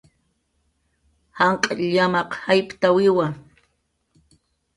Janq' llamaq jayptawiwa